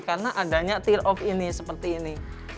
karena adanya tear off ini seperti ini